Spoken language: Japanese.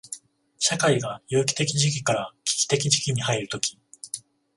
社会が有機的時期から危機的時期に入るとき、